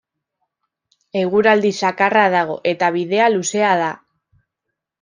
Eguraldi zakarra dago eta bidea luzea da.